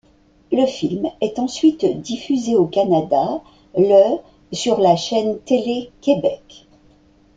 Le film est ensuite diffusé au Canada le sur la chaîne Télé-Québec.